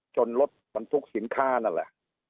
จนลดบันทุกข์สินค้านั่นแหละ